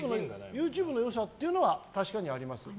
ＹｏｕＴｕｂｅの良さっていうのは確かにありますよ。